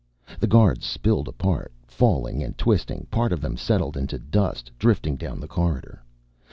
The guards spilled apart, falling and twisting. Part of them settled into dust, drifting down the corridor.